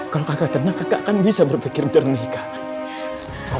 kalau kau tenang kau bisa berpikir jernih kau